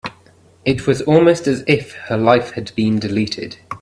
It was almost as if her life had been deleted.